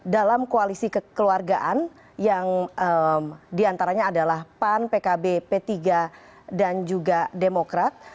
dalam koalisi kekeluargaan yang diantaranya adalah pan pkb p tiga dan juga demokrat